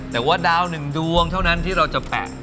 แต่ว่าดาวหนึ่งดวงเท่านั้นที่เราจะแปะ